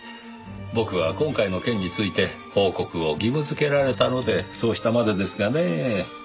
僕は今回の件について報告を義務付けられたのでそうしたまでですがねぇ。